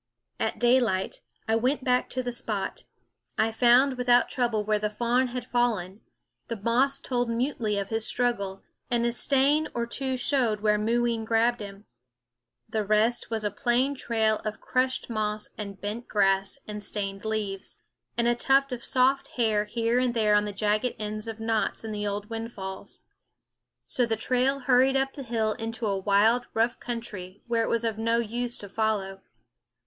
At daylight I went back to the spot. I found without trouble where the fawn had fallen ; the moss told mutely of his struggle ; and a stain or two showed where Mooween grabbed him. The rest was a plain trail, of crushed moss and bent grass and stained leaves, and a tuft of soft hair here and there on the jagged ends of knots in the old THE WOODS windfalls. So the trail hurried up the hill into a wild rough country, where it was of no use to follow.